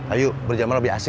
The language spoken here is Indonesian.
ayo berjamar lebih asik